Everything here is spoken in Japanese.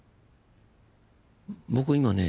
僕今ね